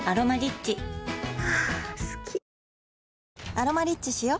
「アロマリッチ」しよ